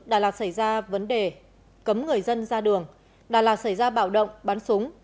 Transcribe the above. đà lạt xảy ra vấn đề cấm người dân ra đường đà lạt xảy ra bạo động bắn súng